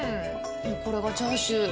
これがチャーシュー？